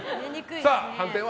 さあ、判定は。